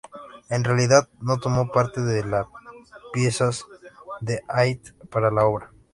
En realidad no tomó parte de piezas de Haydn para la obra.